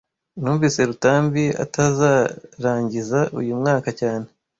Numvise Rutambi atazarangiza uyu mwaka cyane